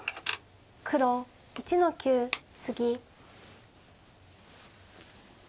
黒１の九ツギ。